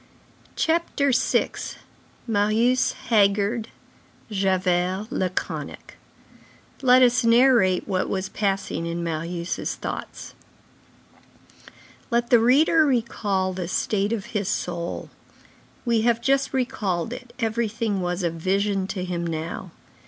CHAPTER VI—MARIUS HAGGARD, JAVERT LACONIC Let us narrate what was passing in Marius' thoughts. Let the reader recall the state of his soul. We have just recalled it, everything was a vision to him now.